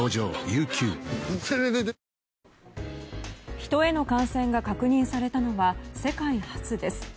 ヒトへの感染が確認されたのは世界初です。